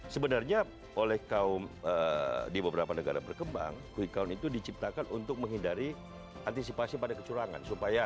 sebenarnya oleh kaum di beberapa negara berkembang quick count itu diciptakan untuk menghindari antisipasi pada kecurangan